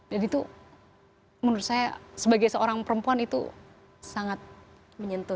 dan itu menurut saya sebagai seorang perempuan itu sangat menyentuh